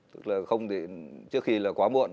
tức là không thì trước khi là quá muộn